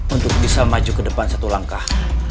untuk bisa maju ke depan satu langkah